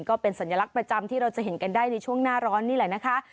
ก็เป็นสัญลักษณ์ประจำที่เราจะเห็นกันได้ในช่วงหน้าร้อนนี่แหละนะคะ